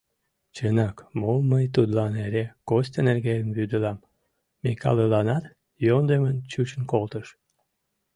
«Чынак, мом мый тудлан эре Костя нерген вӱдылам?» — Микалыланат йӧндымын чучын колтыш.